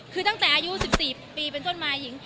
คือตั้งแต่อายุ๑๔ปีเป็นต้นมาหญิง